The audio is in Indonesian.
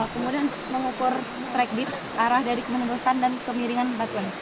kemudian mengukur strack bit arah dari penerusan dan kemiringan batuan